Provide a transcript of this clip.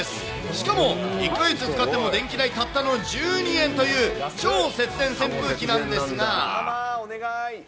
しかも１か月使っても、電気代、たったの１２円という、超節電扇タマ、お願い。